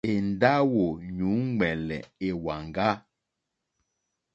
Èndáwò yǔŋwɛ̀lɛ̀ èwàŋgá.